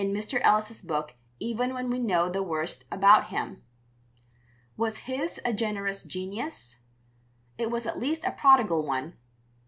Mr. Ellis's book even when we know the worst about him. Was his a generous genius? It was at least a prodigal one.